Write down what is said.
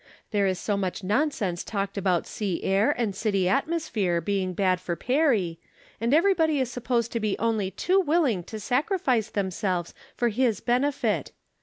There is so much nonsense talked about sea air and city atmosphere being bad for Perry, and everybody is supposed to be only too willing to sacrifice themselves for his ben efit.